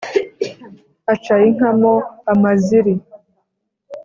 aca inka mo amaziri,